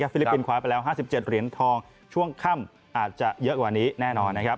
ลิปปินสคว้าไปแล้ว๕๗เหรียญทองช่วงค่ำอาจจะเยอะกว่านี้แน่นอนนะครับ